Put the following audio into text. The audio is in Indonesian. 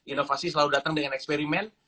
inovasi selalu datang dengan eksperimen